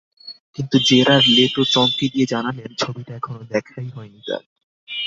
কিন্তু Jared Leto চমকে দিয়ে জানালেন, ছবিটা এখনো দেখাই হয়নি তাঁর।